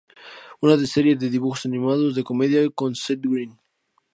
Una serie de dibujos animados de comedia con Seth Green.